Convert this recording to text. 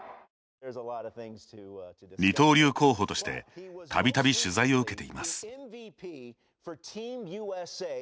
二刀流候補としてたびたび取材を受けています。